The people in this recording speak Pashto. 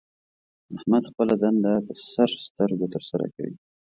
احمد خپله دنده په سر سترګو تر سره کوي.